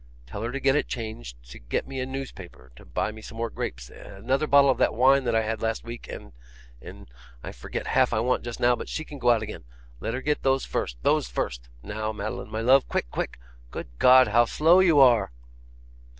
'Tell her to get it changed, to get me a newspaper, to buy me some grapes, another bottle of the wine that I had last week and and I forget half I want just now, but she can go out again. Let her get those first, those first. Now, Madeline, my love, quick, quick! Good God, how slow you are!